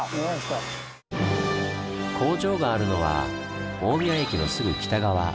工場があるのは大宮駅のすぐ北側。